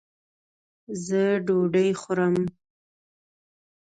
ځه ډوډي خورم